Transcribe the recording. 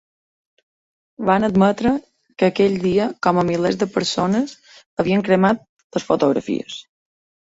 Van admetre que aquell dia, ‘com milers de persones’, havien cremat les fotografies.